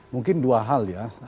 mungkin dua hal ya